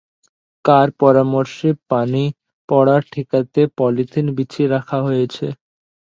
কার পরামর্শে পানি পড়া ঠেকাতে পলিথিন বিছিয়ে রাখা হয়েছে?